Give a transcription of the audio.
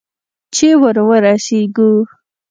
چې ور ورسېږو؟